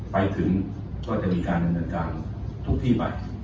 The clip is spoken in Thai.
ไปถึงโดยจะมีการเงินโดยการทุกที่ไป